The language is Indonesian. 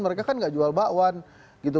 mereka kan nggak jual bakwan gitu